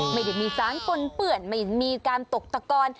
ไม่ได้มีสารปนเปื่อนไม่มีการตกตะกอน